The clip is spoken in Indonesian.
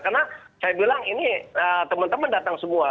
karena saya bilang ini teman teman datang semua